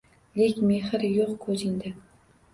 Lek mehr yo’q ko’zingda.